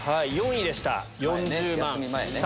４位でした。